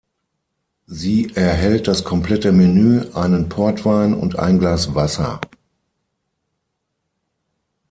Sie erhält das komplette Menü, einen Portwein und ein Glas Wasser.